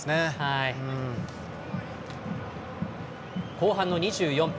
後半の２４分。